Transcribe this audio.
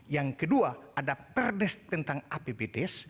yang kedua ada perdes tentang apbdes